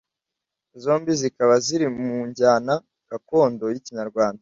zombi zikaba ziri mu njyana gakondo y’ikinyarwanda